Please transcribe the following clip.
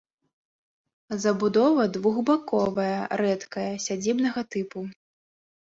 Забудова двухбаковая, рэдкая, сядзібнага тыпу.